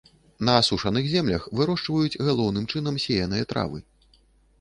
На асушаных землях вырошчваюць галоўным чынам сеяныя травы.